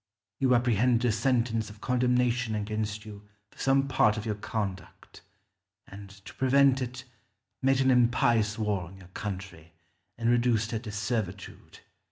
You apprehended a sentence of condemnation against you for some part of your conduct, and, to prevent it, made an impious war on your country, and reduced her to servitude.